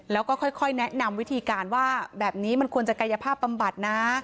แล้วก็ค่อยแนะนำวิธีการว่าแบบนี้มันควรจะกายภาพบำบัดนะ